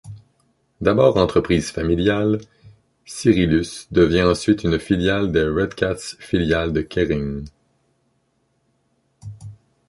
D'abord entreprise familiale, Cyrillus devient ensuite une filiale de Redcats Filiale de Kering.